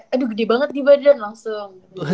aduh gede banget di badan langsung